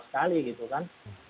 sekali gitu kan